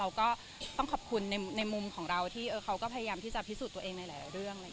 ก็ต้องขอบคุณในมุมของเราที่เขาก็พยายามที่จะพิสูจน์ตัวเองในหลายเรื่อง